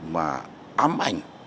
mà ám ảnh